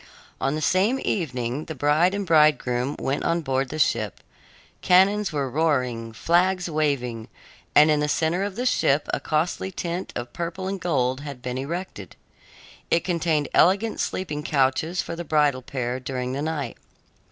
On the same evening the bride and bridegroom went on board the ship. Cannons were roaring, flags waving, and in the center of the ship a costly tent of purple and gold had been erected. It contained elegant sleeping couches for the bridal pair during the night.